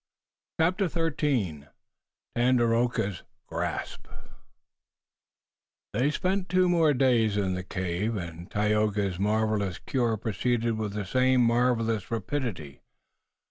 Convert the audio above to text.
CHAPTER XIII TANDAKORA'S GRASP They spent two more days in the cave, and Tayoga's marvelous cure proceeded with the same marvelous rapidity.